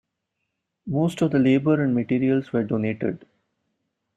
Most of the labour and materials were donated.